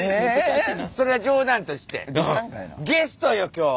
それは冗談としてゲストよ今日！